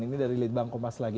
ini dari litbang kompas lagi